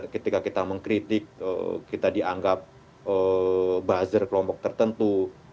ketika kita mengkritik kita dianggap buzzer kelompok tertentu